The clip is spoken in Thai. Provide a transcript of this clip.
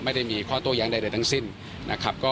ไม่ได้มีข้อโต้แย้งใดทั้งสิ้นนะครับ